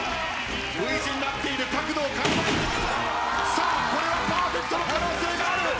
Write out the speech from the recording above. さあこれはパーフェクトの可能性がある。